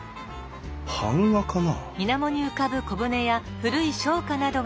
版画かな？